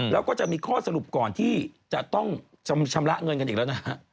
แล้วก็จะมีข้อสรุปก่อนที่จะต้องชำระเงินกันอีกแล้วนะฮะ